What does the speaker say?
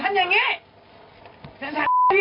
ทำอย่างนี้